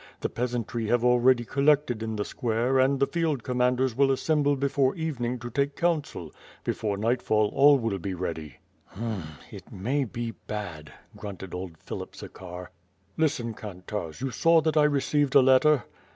The peasantry have already collected in the square and the field commanders will assemble before even ing to take counsel. Before night fall all will be ready/' "H'm — it may be bad," grunted old Philip Zakhar. "Listen, kantarz, you saw that I received a letter?"